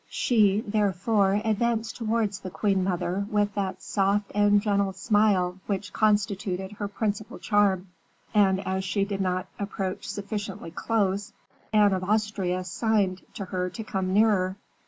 She therefore advanced towards the queen mother with that soft and gentle smile which constituted her principal charm, and as she did not approach sufficiently close, Anne of Austria signed to her to come nearer.